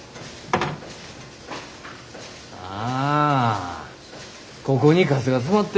ああここにカスが詰まってる。